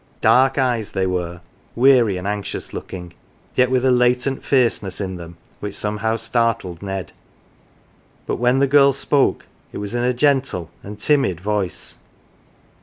Dark eyes they were, weary and anxious looking, yet with a latent fierceness in them which somehow startled Ned. But when the girl spoke, it was in a gentle and timid voice.